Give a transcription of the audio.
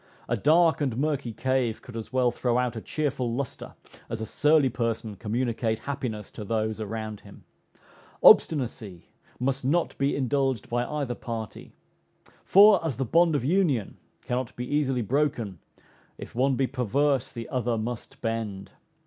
A dark and murky cave could as well throw out a cheerful lustre, as a surly person communicate happiness to those around him. Obstinacy must not be indulged by either party; for, as the bond of union cannot be easily broken, if one be perverse the other must bend.